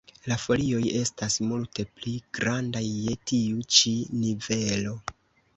La folioj estas multe pli grandaj je tiu ĉi nivelo.